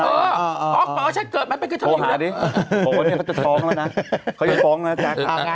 นี่ทำไมพี่หนุ่มนี้คิดไม่ออกแน่เลย